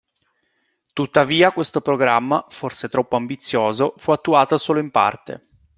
Tuttavia questo programma, forse troppo ambizioso, fu attuato solo in parte.